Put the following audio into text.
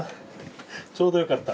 ちょうどよかった。